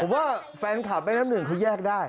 ผมว่าแฟนคลับแม่น้ำหนึ่งเขาแยกได้